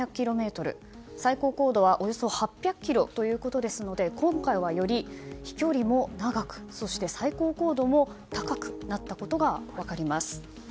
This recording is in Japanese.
最高高度はおよそ８００ｋｍということですので今回はより飛距離も長くそして最高高度も高くなったことが分かります。